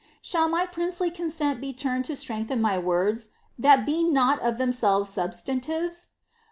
Shall my princely consent be lurnpd to sireDgihea i words, that be not or ibemselTes substantives